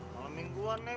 malem mingguan ya bos